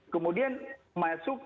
kemudian masuk ke